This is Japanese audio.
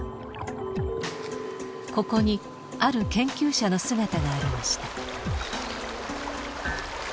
ここにある研究者の姿がありました。